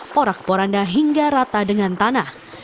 porak poranda hingga rata dengan tanah